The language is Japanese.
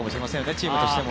チームとしても。